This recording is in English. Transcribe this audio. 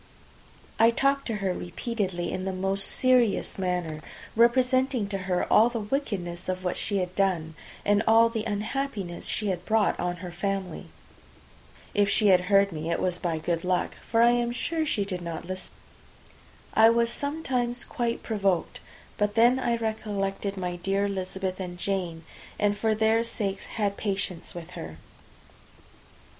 I talked to her repeatedly in the most serious manner, representing to her the wickedness of what she had done, and all the unhappiness she had brought on her family. If she heard me, it was by good luck, for I am sure she did not listen. I was sometimes quite provoked; but then I recollected my dear Elizabeth and Jane, and for their sakes had patience with her.